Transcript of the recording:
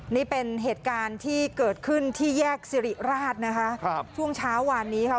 นี่เป็นเหตุการณ์ที่เกิดขึ้นที่แยกสิริราชนะคะครับช่วงเช้าวานนี้ค่ะ